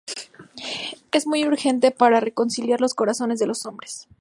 Es muy urgente, para reconciliar los corazones de los hombres.